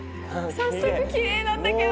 早速きれいなんだけど。